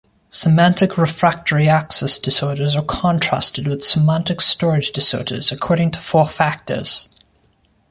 Semantic refractory access disorders are contrasted with semantic storage disorders according to four factors.